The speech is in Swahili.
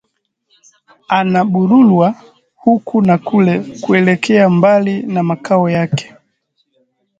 Anabururwa huku na kule, kuelekea mbali na makao yake